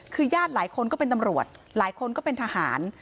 คือญาติหลายคนก็เป็นตำรวจหลายคนก็เป็นทหาร